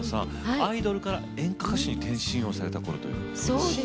アイドルから演歌歌手に転身をされたころということで。